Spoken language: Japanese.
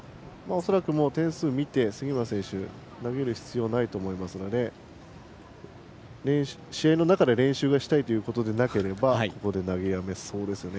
恐らく点数を見て杉村選手投げる必要がないと思いますので試合の中で練習したいということでなければここで投げやめそうですね。